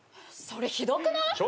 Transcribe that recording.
それひどくない？